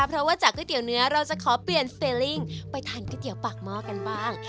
เพราะว่าจากก๋วเนื้อเราจะขอเปลี่ยนสเตลิ่งไปทานก๋วยเตี๋ยวปากหม้อกันบ้าง